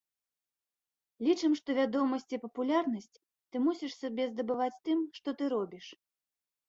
Лічым, што вядомасць і папулярнасць ты мусіш сабе здабываць тым, што ты робіш.